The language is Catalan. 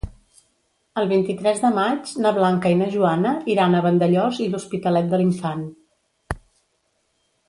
El vint-i-tres de maig na Blanca i na Joana iran a Vandellòs i l'Hospitalet de l'Infant.